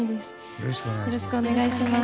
よろしくお願いします。